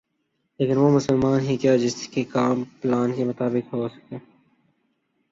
لیکن وہ مسلمان ہی کیا جس کے کام پلان کے مطابق ہوسک